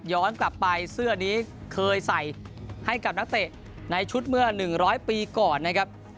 กลับไปเสื้อนี้เคยใส่ให้กับนักเตะในชุดเมื่อ๑๐๐ปีก่อนนะครับ